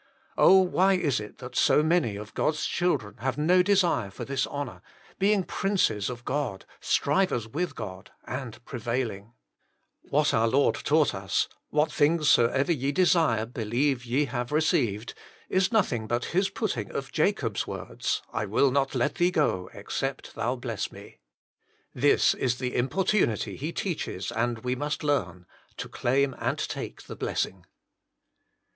Oh ! why is it that so many of God s children have no desire for this honour being princes of God, strivers with God, and prevailing ? What our Lord taught us, " What things soever ye BECAUSE OF HIS IMPORTUNITY 51 desire, believe that ye have received," is nothing but His putting of Jacob s words, " I will not let Thee go except thou bless me." This is the importunity He teaches, and we must learn : to claim and take the blessing.